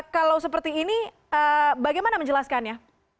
kalau seperti ini bagaimana menjelaskannya